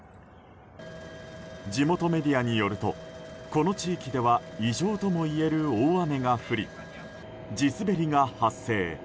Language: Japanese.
地元メディアによるとこの地域では異常ともいえる大雨が降り地滑りが発生。